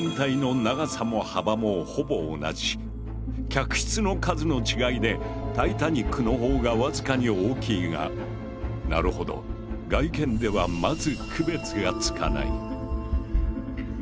客室の数の違いでタイタニックの方が僅かに大きいがなるほど外見ではまず区別がつかない。